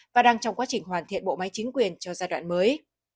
và đang trong quá trình hoàn thiện bộ máy chính quyền cho giai đoạn mới